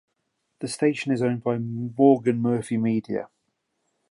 The station is owned by Morgan Murphy Media.